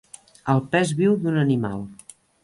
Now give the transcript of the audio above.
El pes viu d'un animal.